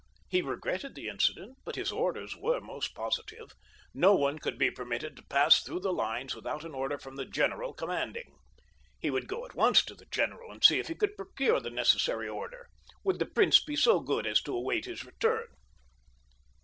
He regretted the incident, but his orders were most positive—no one could be permitted to pass through the lines without an order from the general commanding. He would go at once to the general and see if he could procure the necessary order. Would the prince be so good as to await his return?